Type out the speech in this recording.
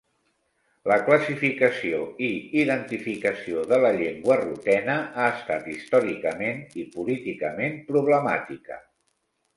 La classificació i identificació de la llengua rutena ha estat històricament i políticament problemàtica.